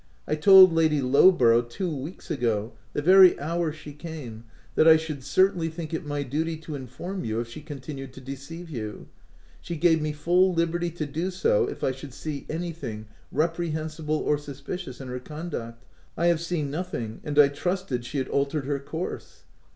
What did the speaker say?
I told Lady Lowborough two weeks ago, the very hour she came, that I should certainly think it my duty to inform you if she continued to deceive you : she gave me full liberty to do so if I should see anything reprehensible or suspicious in her conduct — I have seen nothing ; and I trusted she had al tered her course."